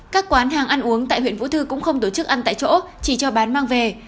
các quán hàng ăn uống tại huyện vũ thư cũng không tổ chức ăn tại chỗ chỉ cho bán mang về